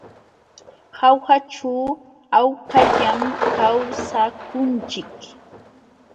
Jaujaćhu hawkallam kawsakunchik.